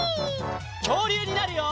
きょうりゅうになるよ！